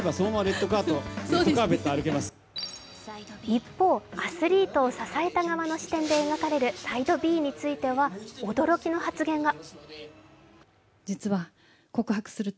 一方、アスリートを支えた側の視点で描かれるＳＩＤＥ：Ｂについては、驚きの発言が。